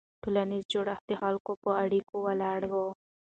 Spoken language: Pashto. ټولنیز جوړښت د خلکو په اړیکو ولاړ وي.